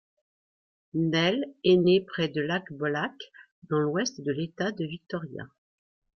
Neil est né près de Lake Bolac dans l'ouest de l'État de Victoria.